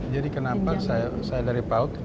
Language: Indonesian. jadi kenapa saya dari paud